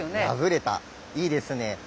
破れたいいですね。